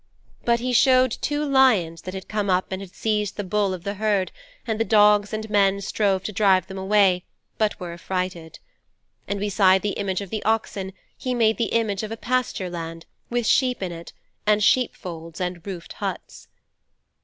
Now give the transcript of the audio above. But he showed two lions that had come up and had seized the bull of the herd, and the dogs and men strove to drive them away but were affrighted. And beside the image of the oxen he made the image of a pasture land, with sheep in it, and sheepfolds and roofed huts.'